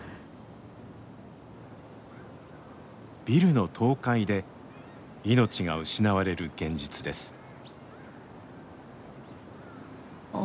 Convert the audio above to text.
ビルの倒壊で命が失われる現実です。